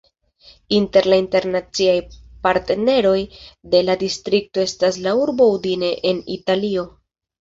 Inter la internaciaj partneroj de la distrikto estas la urbo Udine en Italio.